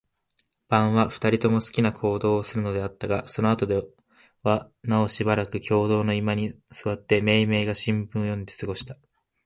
晩は、二人とも好きなような行動をするのではあったが、そのあとではなおしばらく共同の居間に坐って、めいめいが新聞を読んで過ごした。